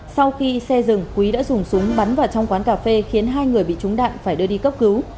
sau khi xe dừng quý đã dùng súng bắn vào trong quán cà phê khiến hai người bị trúng đạn phải đưa đi cấp cứu